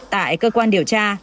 tại cơ quan điều tra